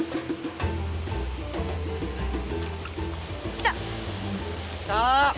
来た！来た！